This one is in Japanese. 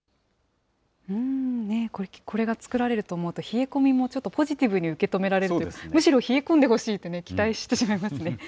これが作られると思うと、冷え込みもちょっとポジティブに受け止められるっていう、むしろ冷え込んでほしいとね、期待してしまいますね。